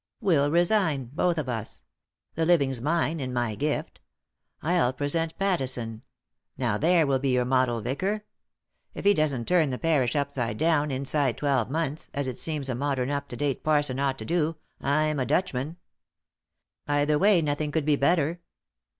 We'll resign, both of us ; the living's mine, in my gift— I'll present Pattison — now there will be your model vicar. If he doesn't turn the parish upside down inside twelve months, as it seems a modern up to date parson ought to do, I'm a Dutchman. Either way nothing could be better.